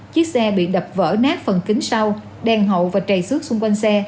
chiếc xe bị đập vỡ nát phần kính sau đèn hậu và chảy xước xung quanh xe